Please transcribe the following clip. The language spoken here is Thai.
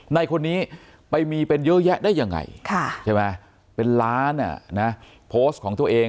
ในคนนี้ไปมีเป็นเยอะแยะได้ยังไงใช่ไหมเป็นล้านโพสต์ของตัวเอง